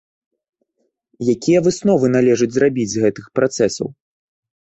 Якія высновы належыць зрабіць з гэтых працэсаў?